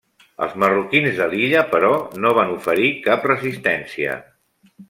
Els marroquins de l'illa, però, no van oferir cap resistència.